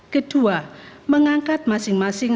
kedua mengangkat masing masing